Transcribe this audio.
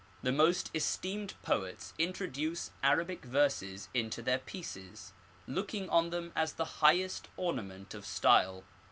The most esteemed poets introduce Arabic verses into their pieces, looking on them as the highest ornament of style.